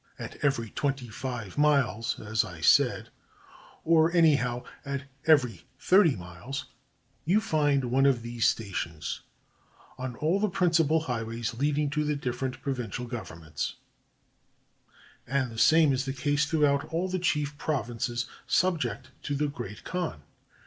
At every twenty five miles, as I said, or anyhow at every thirty miles, you find one of these stations, on all the principal highways leading to the different provincial governments ; and the same is the case throughout all the chief provinces sub ject to the Great Khan.